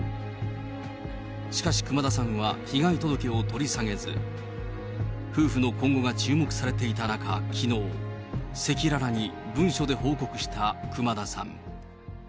しかし熊田さんは被害届を取り下げず、夫婦の今後が注目されていた中、きのう、赤裸々に文書で報告した熊田さん。